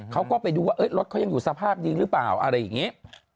เขาก็ไปดูว่ารถเขายังอยู่สภาพดีหรือเปล่าอะไรอย่างนี้